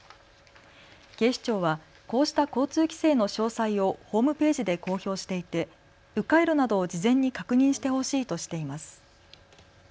警視庁は、こうした交通規制の詳細をホームページで公表していて、う回路などを事前に確認してほしいとしています。